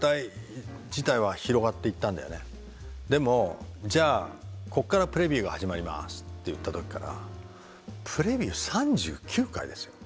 でもじゃあこっからプレビューが始まりますっていった時からプレビュー３９回ですよ。